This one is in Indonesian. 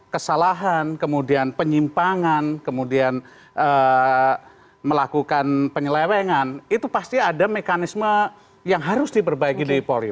kesalahan kemudian penyimpangan kemudian melakukan penyelewengan itu pasti ada mekanisme yang harus diperbaiki dari polri